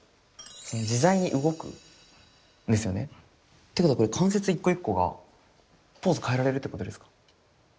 自在に動くんですよね。ってことはこれ関節一個一個がポーズ変えられるってことですか？